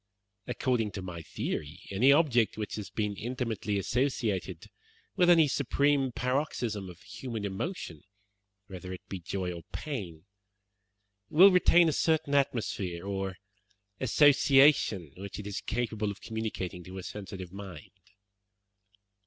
According to my theory, any object which has been intimately associated with any supreme paroxysm of human emotion, whether it be joy or pain, will retain a certain atmosphere or association which it is capable of communicating to a sensitive mind.